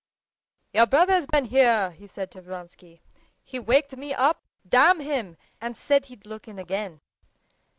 "Your brother's been here," he said to Vronsky. "He waked me up, damn him, and said he'd look in again."